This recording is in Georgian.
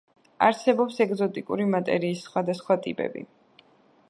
არსებობს ეგზოტიკური მატერიის სხვადასხვა ტიპები.